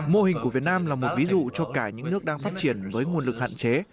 mô hình của việt nam là một ví dụ cho cả những nước đang phát triển với nguồn lực hạn chế